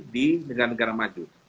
di negara negara maju